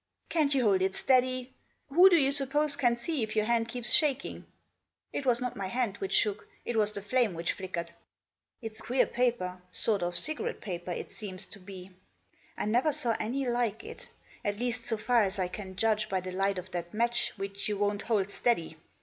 " Can't you hold it steady ? Who do you suppose can see if your hand keeps shaking ?" It was not my hand which shook, it was the flame which flickered. " It's queer paper ; sort of cigarette paper, it seems to be ; I never saw any like it — at least, so far as I can judge by the light of that match which you won't hold steady.